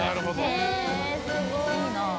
へぇすごい。